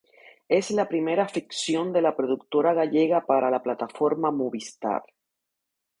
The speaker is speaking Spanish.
Es la primera ficción de la productora gallega para la plataforma Movistar.